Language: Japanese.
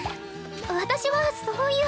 私はそういう。